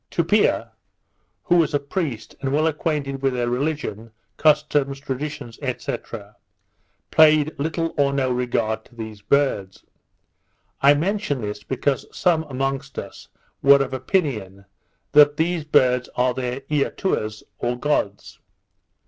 Tupia, who was a priest, and well acquainted with their religion, customs, traditions, &c. paid little or no regard to these birds. I mention this, because some amongst us were of opinion that these birds are their Eatuas, or gods.